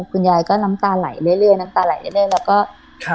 คุณยายก็น้ำตาไหลเรื่อยเรื่อยน้ำตาไหลเรื่อยแล้วก็ครับ